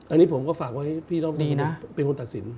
อันนี้ผมก็ฝากไว้พี่รอบนี้นะเป็นคนตัดสิน